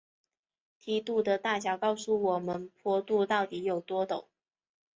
梯度的大小告诉我们坡度到底有多陡。